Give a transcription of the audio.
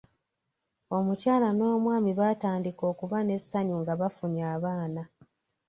Omukyala n'omwami baatandika okuba ne ssanyu nga bafunye abaana.